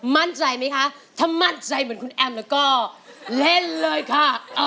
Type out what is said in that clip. มั่นใจไหมคะถ้ามั่นใจเหมือนคุณแอมแล้วก็เล่นเลยค่ะ